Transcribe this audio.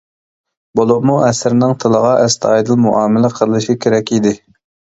بولۇپمۇ ئەسەرنىڭ تىلىغا ئەستايىدىل مۇئامىلە قىلىشى كېرەك ئىدى.